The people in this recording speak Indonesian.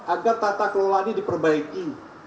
agar tata kelola ini diperbaiki